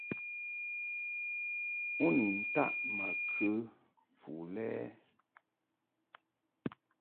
U ni taʼ ma kə fu lɛ ɛ ?